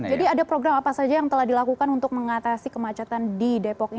jadi ada program apa saja yang telah dilakukan untuk mengatasi kemacetan di depoknya